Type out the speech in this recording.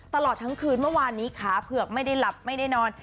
ตลอดทั้งคืนเมื่อวานนี้ขาเผือกไม่ได้หลับไม่ได้นอน